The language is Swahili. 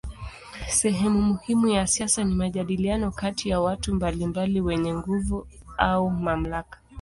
Sehemu muhimu ya siasa ni majadiliano kati ya watu mbalimbali wenye nguvu au mamlaka.